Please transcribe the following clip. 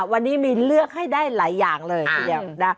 วันนี้มีเลือกให้ได้หลายอย่างเลยทีเดียว